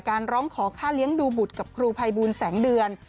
ร้องขอค่าเลี้ยงดูบุตรกับครูภัยบูลแสงเดือน